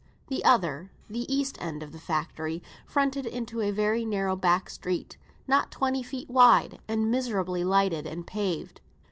The other, the east end of the factory, fronted into a very narrow back street, not twenty feet wide, and miserably lighted and paved.